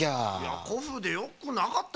こふうでよくなかった？